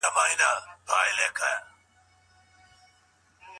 که ئې مور يا پلار پارول کول، نو کور دي ځني بيل کړي.